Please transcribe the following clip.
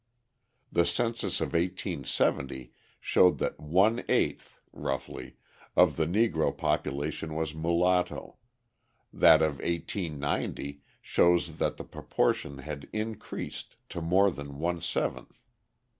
The census of 1870 showed that one eighth (roughly) of the Negro population was mulatto, that of 1890 showed that the proportion had increased to more than one seventh.